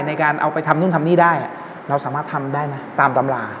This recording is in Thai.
ในการเอาไปทำนู่นทำนี่ได้เราสามารถทำได้ไหมตามตำรา